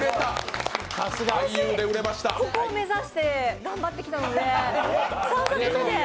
ここを目指して頑張ってきましたので、３作目で。